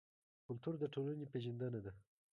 کلتور د ټولنې پېژندنه ده.